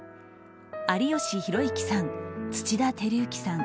有吉弘行さん、土田晃之さん